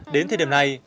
đến thời điểm này